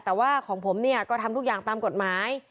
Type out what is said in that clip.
แต่ว่าของผมเนี่ยก็ทำทุกอย่างตามกฎหมาย